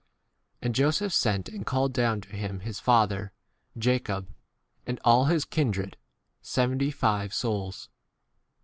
And Joseph sent and called down to him his father Jacob and all [his] kindred, seventy five 15 souls.